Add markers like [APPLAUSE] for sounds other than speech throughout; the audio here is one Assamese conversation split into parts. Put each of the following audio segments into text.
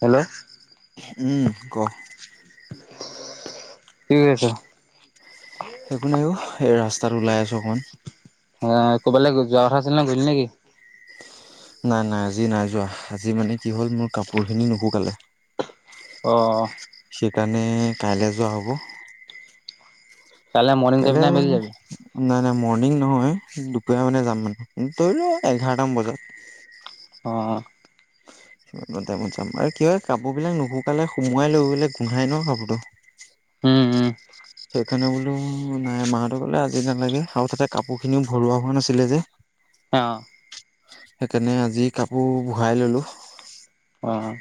হনে উম, ক? ঠিক আছে। [UNINTELLIGIBLE] নাইও, এই ৰাস্তাত ওলাই আছোঁ অকমান। অ', কৰবালে যোৱা কথা আছিল নহয়, গলি নেকি? নাই-নাই আজি নাই যোৱা আজি মানে কি হ'ল মোৰ কাপোৰ খিনি নুশুকালে। অ'। সেইকাৰণে কাইলে যোৱা হ'ব। কাইলৈ মৰ্ণিং [UNINTELLIGIBLE] যাবি নে নাই, আবেলি যাবি? নাই মৰ্ণিং নহয়। দুপৰীয়া মানে, যাম মানে, ধৰি ল এঘাৰটা মান বজাত। অ'। কিমান টাইমত যাম। আৰু কি হয়, কাপোৰবিলাক নুশুকালে সোমোৱাই লৈ বোলে গোন্ধাই নহ কাপোৰটো। উম-উম সেইকাৰণে বোলো নাই মাহঁতো কলে আজি নালাগে আৰু তাতে কাপোৰ খিনিও ভৰোৱা হোৱা নাছিলে যে। অ'। সেইকাৰণে আজি কাপোৰ বহাই ললো। অহ,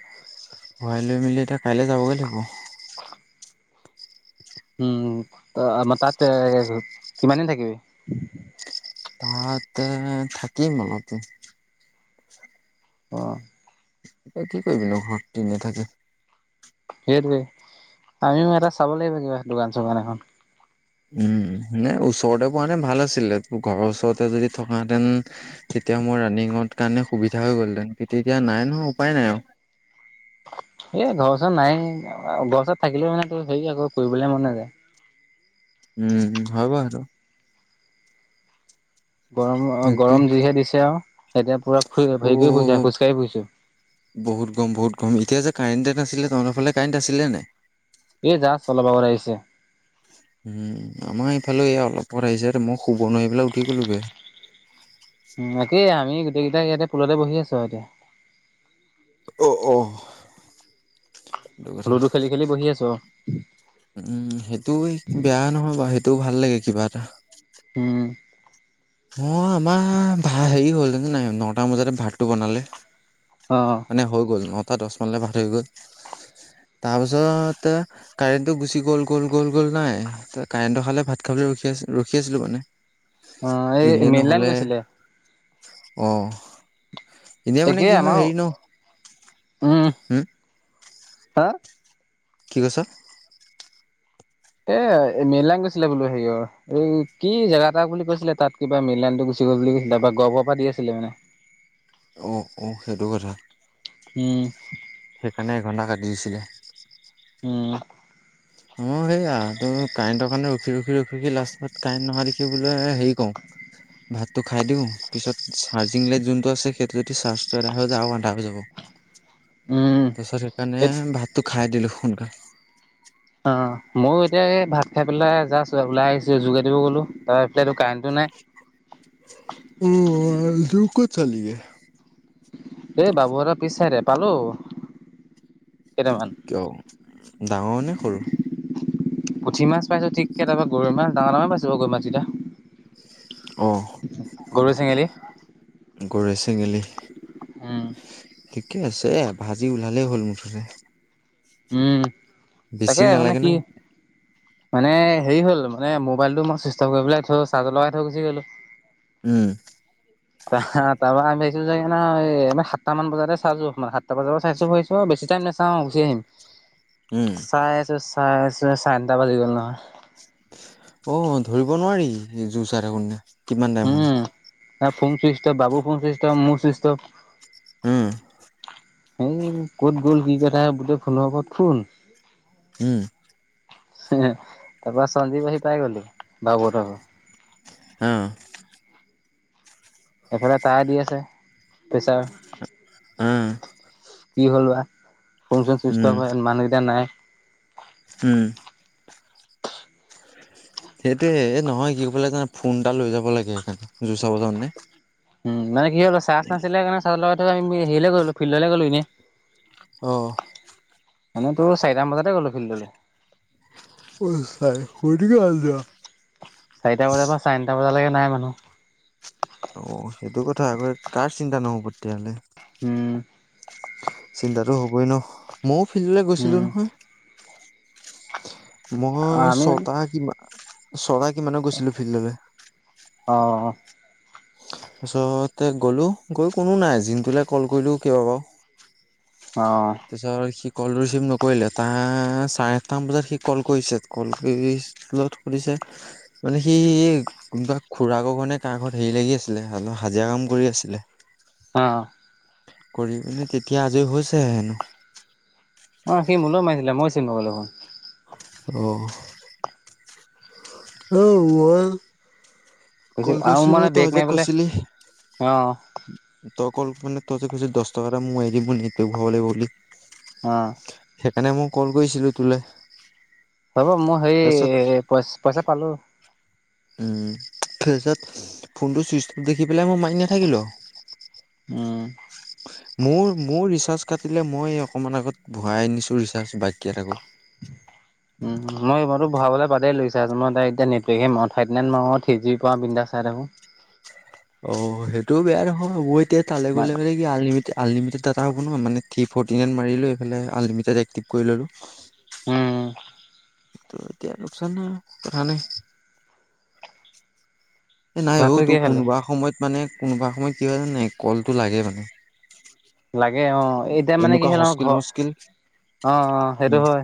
ভৰাই লৈ মেলি এতিয়া কাইলৈ যাবগে লাগিব। উম, আমাৰ তাত কিমান দিন থাকিবি। তাতে, থাকিম অলপ। [UNINTELLIGIBLE] অ', এই কি কৰিবিনো শক্তি না। সেইটোৱে, আমিও এটা চাব লাগিব। কিবা, দোকান চোকান এখন। উম, নে ওচৰতে পোৱা নে ভাল আছিলে, ঘৰৰ ওচৰতে যদি থকাহেঁতেন, তেতিয়া। তেতিয়া মোৰ ৰানিঙৰ কাৰণে সুবিধা হৈ গ'লহেঁন তেতিয়া নাই নহয় উপায় নাই আৰু হয় [INAUDIBLE] গৰেশ্বৰত থাকিলেও মানে, তো হেৰি আকৌ ফুৰিবলে মন নাযায়। উম, হব আৰু। গৰম অ, তাকে গৰম যিহে দিছে আৰু। এতিয়া পুৰা হেৰি কৰি ফুৰিছো অ', খোজকাঢ়ি ফুৰিছো। বহুত গৰম, বহুত গৰম। এতিয়া যে কাৰেণ্টে এ নাছিলে, তহঁতৰ ফালে কাৰেণ্ট আছিলে নে নাই? এ জাছ অলপ আগত আহিছে। উম, আমাৰ এইফালে এ অলপ আগতে আহিছে, মই শুব নোৱাৰি পেলাই উঠি গ'লোগে। গোটেই কেইটা ইয়াতে পুলতে বহি আছো আৰু এতিয়া। অ অ সেইটো কথা লুডু খেলি- খেলি বহি আছো ৰ। উম, সেইটো বেয়া নহয় বাৰু সেইটোও ভাল লাগে কিবা এটা। উম। অ' আমাৰ ভা হেৰি হ'ল নাই নটামান বজাতে ভাতটো বনালে। অ মানে হৈ গ'ল নটা দছ মানলে ভাতটো হৈ গ'ল। তাৰ পিছত কাৰেণ্টটো গুচি গ'ল-গ'ল- গ'ল- গ'ল নাই, কাৰেণ্টটো খালে ভাত খাবলে ৰখি আছিলো ৰখি আছিলো মানে অ এই ইনে মেইন লাইন নহ'লে গৈছিলে অ' এনেই মানে একেই কি হয় আমাৰ হেৰি ন। হম। হা। কি কৈছ। এ মিললান গৈছিলে বোলো হেৰি অ এই কি জেগা এটা বুলি কৈছিলে তাত কিবা মিলানটো [UNINTELLIGIBLE] তাপা গৰবৰ পৰা দি আছিলে মানে। অ'-অ'সেইটো কথা। উম। সেইকাৰণে এঘণ্টা কাটি দিছিলে। উম। অ' সেয়া ত' কাৰেণ্টৰ কাৰণে ৰখি ৰখি- ৰখি- ৰখি লাষ্টত কাৰেণ্ট নহা দেখি বুলো হেৰি কওঁ। ভাতটো খাই দিওঁ, পিছত চাৰ্জিং লাইট যোনটো আছে সেইটো যদি চাৰ্জটো এডাই হৈ যায় আৰু আন্ধাৰ হৈ যাব। [INAUDIBLE] দিছাচ কাৰণে এ ভাতটো খাই দিলো সোনকালে। অ'ময়ো এতিয়া এই ভাত খাই পেলাই যাইছো ওলাই আহিছো যোগাৰ দিব গলো। তাৰ এইফালেটো কাৰেণ্টটো নাই অ' যোৰ ক'ত চালিগৈ। এই বাবু হয় পিছাচাইদে পালো। কেইটামান কিয় ডাঙৰ নে সৰু? পুঠি মাছ পাইছো ঠিককে তাৰপৰা গৰৈ মাছ ডাঙৰ ডাঙে পাইছো গৰৈ মাছকেইটা। অ গৰৈ, চেঙেলী। গৰৈ, চেঙেলী উম ঠিকে আছে ভাজি ওলালেই হ'ল মোৰ। উম। তাকে বেছি মানে নালাগে কি নহয়। মানে হেৰি হ'ল মানে মোবাইলটো মই চুইষ্ট কৰি পেলাই থয় চাৰ্জত লগাই থৈ গুচি গ'লো। উম। আহ তাৰ পৰা আমি ভিছো যে এ সাতটা মান বজাতে চাইছো মানে সাতটা বজাৰ পৰা চাইছো বেছি। বহুত টাইম নেচাওঁ গোচি আহিম। উম চাই আছো চাই আছো চাৰেআঠটা বাজি গ'ল নহয়। অ' ধৰিব নোৱাৰি জোৰ চাই থাকোঁতে কোননা কিমান টাইম হয়। হ ফোন চুইচতফ বাবু ফোন চুইচতফ মোৰ চুইচতফ। উম। এই ক'ত গ'ল কি কথা বোলে ফোনৰ ওপৰত ফোন। উম [UNINTELLIGIBLE] তাৰ পৰা সঞ্জীৱ আহি পাই গ'ল হি বাবুহঁতৰ ঘৰ। অ এফালে তাই দি আছে পেছা। অ কি হ'ল বা, ফোনচোন চুইচত উম অফ হৈ মানুহকেইটা নাই। উম। সেইটোয়ে নহয় কি কৰিব লাগে ফোন এটা লৈ যাব লাগে সেইকাৰণে যুচাব যাওতে নে। উম, মানে কি হ'ল চাৰ্জ নাছিলে কাৰণে চাৰ্জত লগাই পেলাই হেৰিলে গ'লো ফিল্ডলৈ গ'লো ইনে। আহ মানে তোৰ চাৰিটামান বজাতে গ'লো ফিল্ডলৈ [UNINTELLIGIBLE] চাৰিটা বজাৰ পৰা চাৰে ন ত বজালৈকে নাই মানুহ অ', সেইটো কথা আকৌ, কাৰ চিন্তা নহ'ব তেতিয়াহ'লে। হম চিন্তাটো হবই ন ময়ো ফিল্ডলৈ গৈছিলো উম, নহয়। মই আমি অ', ছটা কিমা। [UNINTELLIGIBLE] কিমানত গৈছিলো ফিল্ডলৈ তাৰপিছতে গ'লো গৈ কোনো নাই জিনটোলৈ কল কৰিলো কিয় হব। অ', তাৰপাছত সি ক'ল ৰিচিভ নকৰিলে, তাৰ চাৰে আঠটামান বজাত সি ক'ল কৰিছে। ক'ল কৰি সুধিছে। মানে সি কোনোবা খুৰা ক কাৰণে ক ঘৰত হেৰি লাগি আছিলেপ হাজিৰা কাম কৰি আছিলে ছিলে অ কৰি পিনে তেতিয়া আজৰি হৈছে হেনো অ সি মোলৈ মাৰিছিলে মই চীন নেপালোঁ ক আহ [UNINTELLIGIBLE] কৈছে ক'ল আৰু কৰিছিলো, মানে বেক তই যে মাৰিবলে কৈছিলি। অ', তই অকল মানে তইতে কৈছ দহ টকা এটা মই এৰি দিব ন ত ভব লাগিব বুলি অহ সেইকাৰণে মই কল কৰিছিলো তোলে হ'ব মই সেই তাৰপিছত পই পইচা পালো তাৰপিছত ফোনটো চুইচ দেখি পেলাই মই মাৰি নাথাকিলো আৰু উম মোৰ মোৰ ৰিচাৰ্জ কাটিলে মই অকণমান আগত ভৰাই আনিছোঁ ৰিচাৰ্জ বাককেইটাকো উম। মই মইতো ভৰাবলৈ বাদে দিলোঁ ৰিচাৰ্জ মই এতিয়া নেট পেক হে মাৰো থিৰ্তী নাইন মাৰো আৰু থ্ৰী জি পই বিন্দাছ চাই থাকো। অ সেইটো বেয়া নহয় ম এতিয়া তালৈ গ'লে বলে কি আনলিমিটেড আনলিমিটেড ডাটা হব নহয়, মানে থ্ৰি ফৰ্তি নাইন মাৰিলো আনলিমিটেড কৰি ললো। উম এতিয়া লোকচান নাইানে এ নাই অঔ ভাতটো তোৰ কিহে খালি? কোনোবা সময়ত মানে কোনোবা সময়ত কি হয় জানা নাই কলটো লাগে মানে। লাগে অ', এতিয়া মানে কি এনেকুৱা হ'ল আমাৰ হস্কিল ঘৰ মুস্কিল অ অ উম [UNINTELLIGIBLE] সেইটো হয়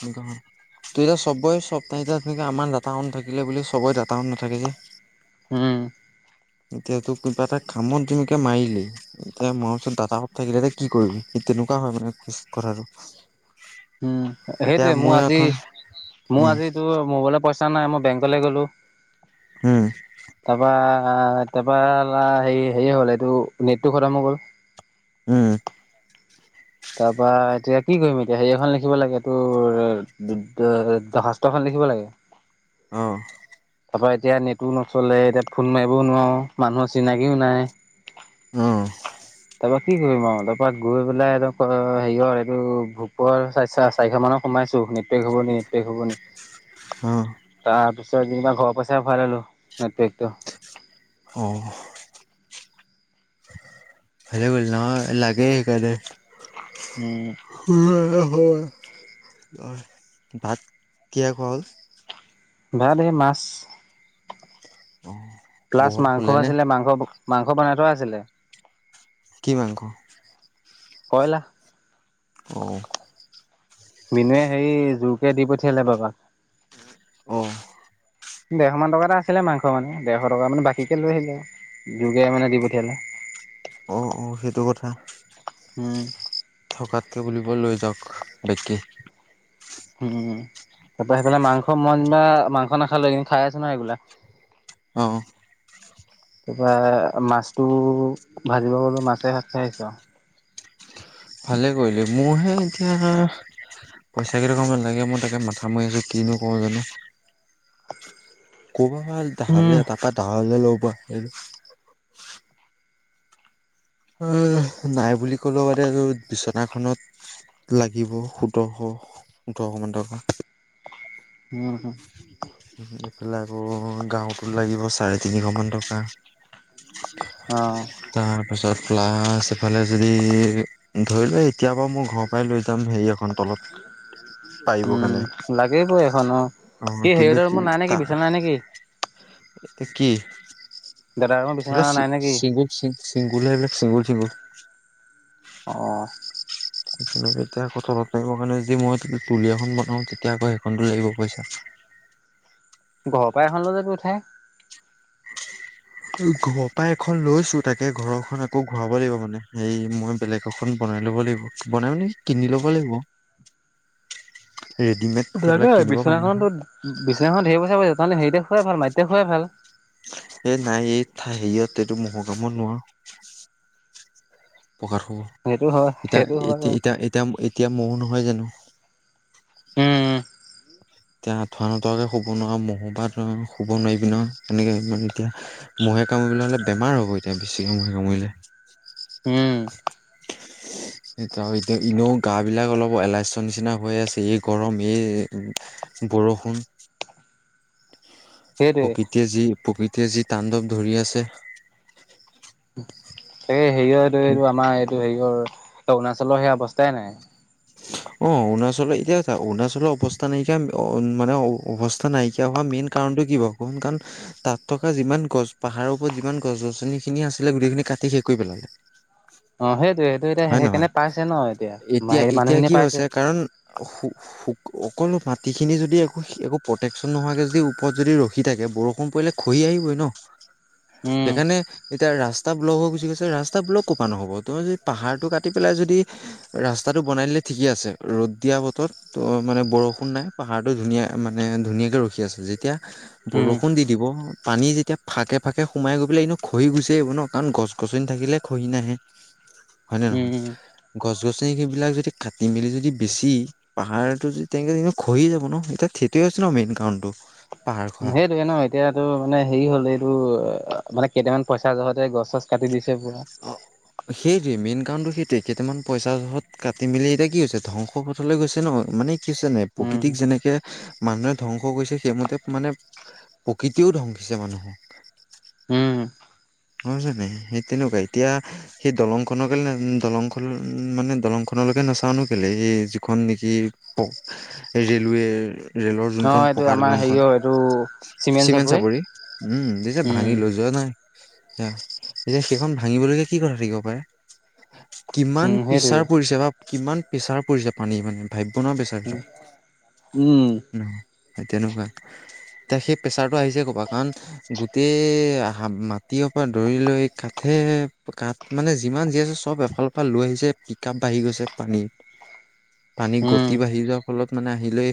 ত এতিয়া চবৰে চ তেকে আমাৰ ডাটা অন থাকিলে বুলি চবেই ডাটা অন নাথাকে যে উম। এতিয়া তোক কিবা এটা কা মত ধুনকে মাৰিলি এতিয়া মাৰ পিছত দাদ কত থাকিলে এতিয়া কি কৰিবি তেনেকুৱা হয় মানে খোজ কথাটো উম এতিয়া সেইটয়ে মোৰ মই আজি এখন মোৰ উম আজি মোবাইলৰ পইচা নাই মই বেংকলে গ'লো উম তাৰপা আহ তাৰপৰা হে হেয়ে হ'ল এইটো নেটটো খতম হৈ গ'ল উম। তাৰ পৰাা এতিয়া কি কৰিম এতিয়া হে এখন লিখিব লাগে তোৰ দৰ্খাস্ত এখন লিখি ৰাখিব লাগে। অহ। তাৰ পৰা এতিয়া নেটো নচলে এতিয়া ফোন মাৰিবও নোৱাৰো মানুহৰ চিনাকিও নাই অহ। কি কৰিম আৰু তাৰ পৰা গৈ পেলাই এক হেৰিয়ৰ এইটো ভোকৰ চ চাৰিশ মানৰ সোমাই নেট পেক হ'ব নেকি? নেট পেক হব নি অ তাৰপিছ যেনিবা ঘৰৰ পৰা পইচালৈ ভৰায় ললো নেট পেকটো। অ'। ভালে কৰিছ। লাগে, সেইকাৰণে উম, [UNINTELLIGIBLE] ভাত কিহে খোৱা হ'ল? ভাত সেই মাছ অ প্লাছ বহুত মাংস শুলে নে আছিলে মাংস মাংস বনাই থোৱা আছিলে। কি মাংস? [UNINTELLIGIBLE] অ মিনে হেৰি জোৰকে দি পঠিয়ালে বাবা। অঁ দেৰশ মান টকা এটা আছিলে মাংস মানে দেৰশ টকা মানে বাকীকে লৈ আহীলে। যোৰকে মানে দি পঠিয়ালে। অ-অ সেইটো কথা। হম, থকাতকৈ বুলিব লৈ যাওক বেকি উম, তাৰ পৰা সেইফালে মাংস মন মাংস নাখালে খাই আছে নে নাই এইবিলাক। অ', তাৰপৰা মাছটো ভাজিব কলো মাছে ভাত খাই আহিছো। ভালে কৰিলো মোৰহে এতিয়া পইচা কেইটকামান লাগে মই তাকে মাথা মাৰি আছো কিনো কৰো, জানো উম, ক'বালে তাৰপা দাললে ল'ব অ' নাই বুলি ক'লেও তাতে আৰু বিচনাখনত লাগিব সুটোৰশ। সোটোৰশ মান টকা। উ-উ, ওলাব গাঁওতো লাগিব চাগে। তিনিশ মান টকা অ', তাৰ পিছত প্লাছ এফালে যে হে ধৰি লোৱা এতিয়া বাৰু মই ঘৰৰ পৰাই লৈ যাম হেৰি এখন তলত পাৰিব উম, কাৰণে, লাগিবই এখন অ', অ' কিন্তু হেৰিহঁতৰ কি ৰুমত নাই নেকি তা বিচনা নাই নেকি এতিয়া কি দাদাৰ ৰুমৰ বিচনা এইবিলাক চি নাই নেকি চি চিবু গোটেই এইবোৰ চিংগুল-চিংগুল অহ, [INAUDIBLE] এতিয়া আকৌ কথা কাৰণে যে মই তুলি এখন বনাওঁ তেতিয়া আকৌ সেইখনতো লাগিব পইচা। ঘৰৰ পৰা এখন লৈ যাবি উঠাই। ঘৰৰ পৰা এখন লৈছো তাকে ঘৰখনত আকৌ ঘূৰাব লাগিব মানে হেই মই বেলেগ এখন পো বনাই ল'ব লাগিব বনাই মানে কিনি ল'ব লাগিব। [UNINTELLIGIBLE] ৰেডিমেড সেইবিলাক সেইবিলাকে আৰু কিনিব পাৰে নহয় বিছনাখনতো বিছনাখন হেৰি বুলি কয় আছে তাহলে হেৰিতে খোৱাই ভাল মাটিতে শুৱাই ভাল। এই নাই এই হেৰিয়ত এইটো মহকামোৰা নোৱাৰো। আৰু সেইটো হয় সেইটো হয় বাৰু এতিয়া-এতিয়া-এতিয়া-এতিয়া-এতিয়া মহ নহয় জানোঁ? উম, এতিয়া আঠুৱা নথুৱাকে শুব নোৱাৰো ন মহ বা শুব নোৱাৰি নো তেনেকে মানে এতিয়া মহ মহে কামুৰিলে হলে বেমাৰ হ'ব এতিয়া বেছিকে কামোৰি কামুৰিলে। উম সেইটো এতিয়া এনেওঁ গা বিলাক অলপ এলাচ্য নিচিনা হৈ আছে, এই গৰম এই বৰষুণ [UNINTELLIGIBLE] সেইটোৱে প্ৰকৃতিয়ে যি প্ৰকৃতিয়ে যি তাণ্ডৱ ধৰি আছে। এই হেৰি হয় এইটো এইটো আমাৰ এইটো হেৰিয়ৰ অৰুণাচলৰ সেই অৱস্থাই নাই অ অৰুণাচলৰ এতিয়া চা অৰুণাচলৰ অৱস্থা নাইকিয়া মানে অৱস্থা নাইকিয়া হোৱা মেইন কাৰণ কাৰণ তাত থকা যিমান গছ পাহাৰৰ ওৰত যিমান গছ গছনি খিনি আছিলে গোটেই খিনি কাটি। কৰি পেলায়। অ', হেটোৱে। হয় নহয়, এতিয়া সেই এতিয়া কি মানুহখিনিয়ে পাইছে হৈছে কাৰণ খু খু অকল মাটিখিনি যদি একো একো প্ৰটেকচন নোহোৱাকৈ যদি ওপৰত যদি ৰখি থাকে বৰষুণ পৰিলে খহি [UNINTELLIGIBLE] উম সেইকাৰণে এতিয়া ৰাস্তা ব্লক হৈ গুচি গৈছে ৰাস্তা ব্লক ক'পা নহ'ব তোমাৰ যদি। পাহাৰটো কাটি পেলাই যদি ৰাস্তাটো বনাই দিলে ঠিকে আছে। ৰ'দ দিয়া বতৰত ত মানে বৰু বৰষুণ নাই পাহাৰটো ধুনীয়া মানে ধুনীয়াকে ৰখি আছে। যেতিয়া, উম বৰষুণ দি দিব পানী যেতিয়া এতিয়া ফাঁকে ফাঁকে সোমাই গৈ পেলাই এনো ঘহি গুচি আহিব ন কাৰণ গছ গছনি থাকিলে ঘহী নাহে। হয় নে নহয়, উম গছ গছ গছনি সেই বিলাক যদি কাটি মেলোমি যদি বেছি পাহাৰতটো যদি তেনে ক খহিয়ে যাব ন এতিয়া থ হৈছে মেইন কাৰণটো। পাহাৰ খহা সেইটোয়ে নহ এতিয়াাতটো মানে হেৰি হ'ল এইটো মানে কেইটামান পইচা জহতে গছ গছ কাটি দিছে পুৰা। সেইট কেইটামান পইচাত কাটি মেলি এতিয়া কি হৈছে ধ্বংস পথলৈ গৈছে ন। মানে দেখিচা নে উম প্ৰকৃতিক যেনেকে মানুহে ধ্বংস কৰিছে সেইমতে মানে প্ৰকৃতিয়ও ধ্বংসিছে মানুহক। উম। হয় জানে সেই তেনেকুৱা এতিয়া সেই দলংখন দলংখন মানে দলংখন আপোনালোকে নাচানো কেলে এই যিখন নেকি ৰেলৱে ৰেলৰ অ যোনখন এইটো পকা আমাৰ দলংখন হেৰিয়ৰ এইটো চিমেণ্ট চাপৰি উম উম ভাঙি লৈ যোৱা নাই। এতিয়া সেইখন ভাঙিবলৈকে কি কথা থাকিব পাৰে? কিমান উম সেইটোৱে প্ৰেছাৰ পৰিছে বা কিমান প্ৰেছাৰ পৰিছে পানী মানে। ভাবিব নহ পেছাৰ উম হয় উম তেনেকুৱা এতিয়া সেই প্ৰেচাৰটো আহিছে ক'বা কাৰণ গোটেই সাত মা টিয় পৰা ধৰি লৈ কাঠে কাঠ মানে যিমান যি আছে চব এফাল এফাল লৈ আহিছে। পিক আপ আহি গৈছে পানীত। [UNINTELLIGIBLE] পানী উম গতি বাঢ়ি যোৱাৰ ফলত মানে আহিলে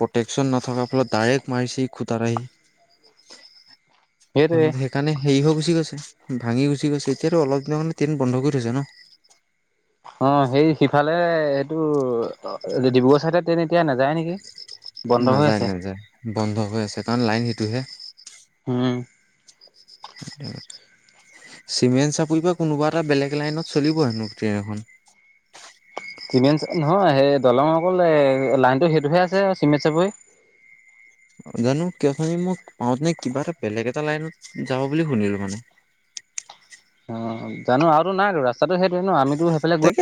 প্ৰটেকশচন নথকাৰ ফলত ডাইৰেক্ট মাৰিছে খুটাত আহি। সেইটোৱে সেইকাৰণে সেই হক গুচি গৈছে ভাঙি গুচি গৈছে এতিয়াতো অলপ দিনৰ মানে ট্ৰেইন বন্ধ কৰি থৈছে ন। অ সেই সিফালে এইটো অ, ডিব্ৰুগড় চাইদে ট্ৰেন নাযায় নাযায় বন্ধ হৈ আছে কাৰণ লাইন সেইটোহে। উম [UNINTELLIGIBLE] চিমেণ্ট চাপৰি বা কোনোবা এটা বেলেগ লাইনত চলিব হেনো ট্ৰেইন এখন চিমেণ্ট নহয় সেই দলং অকল এ লাইনতটো সেইটোহে আছে চিমেণ্ট চাপৰি। [UNINTELLIGIBLE] জানো উঠনি মোক উঠনি কিবা এটা বেলেগ এটা লাইনত যাব বুলি শুনিলো মানে হয় [UNINTELLIGIBLE] জানো আৰু তো নাই ৰাস্তাটো সেইটোৱে ন আমিতো সেইফালে গৈ তাকে